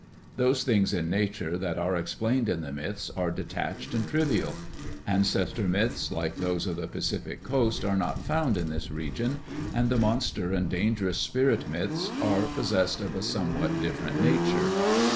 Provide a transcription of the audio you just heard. Those things in nature that are explained in the myths are detached and trivial. Ancestor myths like those of the Pacific coast are not found in this region and the monster and dangerous spirit myths are possessed of a some what different nature.